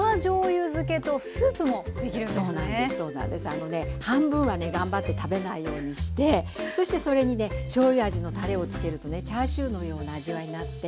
あのね半分は頑張って食べないようにしてそしてそれにねしょうゆ味のたれをつけるとねチャーシューのような味わいになって。